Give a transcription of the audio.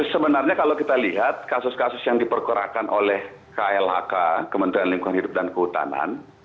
sebenarnya kalau kita lihat kasus kasus yang diperkerakan oleh klhk kementerian lingkungan hidup dan kehutanan